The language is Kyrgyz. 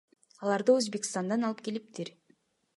Аларды Өзбекстандан алып келиптир.